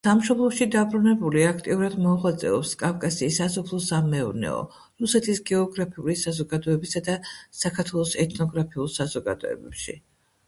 სამშობლოში დაბრუნებული აქტიურად მოღვაწეობს კავკასიის სასოფლო-სამეურნეო, რუსეთის გეოგრაფიული საზოგადოებისა და საქართველოს ეთნოგრაფიულ საზოგადოებებში.